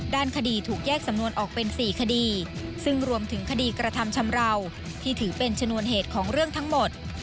ด้านคดีถูกแยกสำนวนออกเป็น๔คดีซึ่งรวมถึงคดีกระทำชำราวที่ถือเป็นชนวนเหตุของเรื่องทั้งหมด